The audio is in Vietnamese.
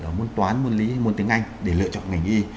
ở môn toán môn lý hay môn tiếng anh để lựa chọn ngành y